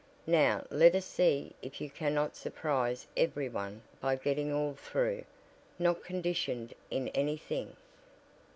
Now let us see if you cannot surprise everyone by getting all through not conditioned in anything."